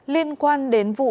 liên quan đến vụ